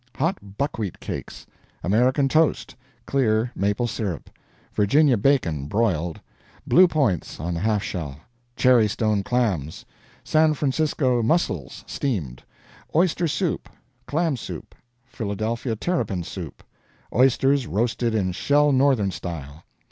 Hot buckwheat cakes. American toast. Clear maple syrup. Virginia bacon, broiled. Blue points, on the half shell. Cherry stone clams. San Francisco mussels, steamed. Oyster soup. Clam Soup. Philadelphia Terapin soup. Oysters roasted in shell Northern style.